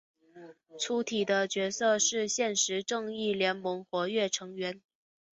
粗体的角色是现时正义联盟活跃成员。